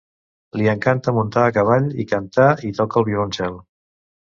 Li encanta muntar a cavall, i canta i toca el violoncel.